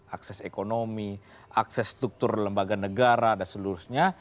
akses ekonomi akses struktur lembaga negara dan seluruhnya